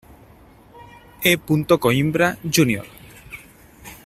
E. Coimbra Jr.